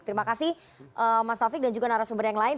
terima kasih mas taufik dan juga narasumber yang lain